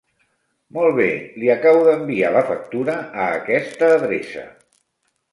Molt bé, li acabo d'enviar la factura a aquesta adreça.